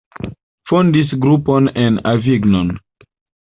Fondis grupon en Avignon.